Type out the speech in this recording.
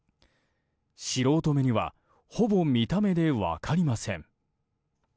素人目には、ほぼ見た目で分かりません。